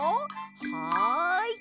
はい！